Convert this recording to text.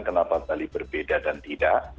kenapa bali berbeda dan tidak